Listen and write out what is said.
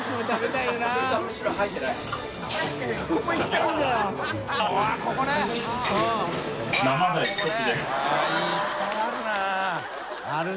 いっぱいあるな。